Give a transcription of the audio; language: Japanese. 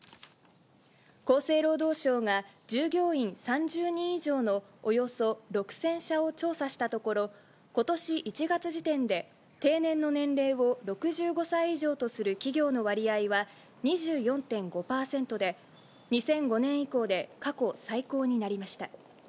厚生労働省が、従業員３０人以上のおよそ６０００社を調査したところ、ことし１月時点で、定年の年齢を６５歳以上とする企業の割合は、２４．５％で、２００５年以降で過去最高になりました。